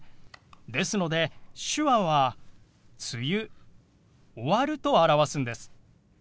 ですので手話は「梅雨」「終わる」と表すんです。